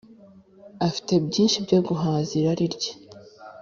Afite byinshi byo guhaza irari rye